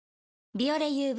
「ビオレＵＶ」